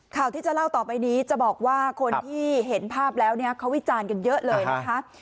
ข่าวที่จะเล่าต่อไปนี้จะบอกว่าคนที่เห็นภาพแล้วเนี่ยเขาวิจารณ์กันเยอะเลยนะคะ